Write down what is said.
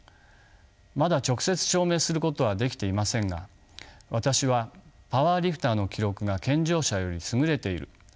まだ直接証明することはできていませんが私はパワーリフターの記録が健常者より優れている